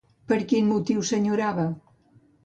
Per quin motiu s'enyorava?